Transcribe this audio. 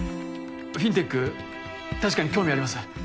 フィンテック確かに興味あります。